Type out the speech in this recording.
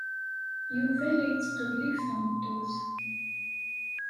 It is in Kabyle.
Yuba la yettqellib tameṭṭut.